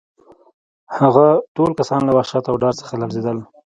هغه ټول کسان له وحشت او ډار څخه لړزېدل